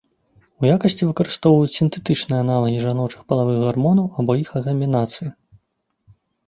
У якасці выкарыстоўваюць сінтэтычныя аналагі жаночых палавых гармонаў або іх камбінацыі.